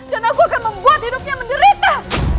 dan aku akan membuat hidupnya menderita